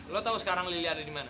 lo tau sekarang lily ada dimana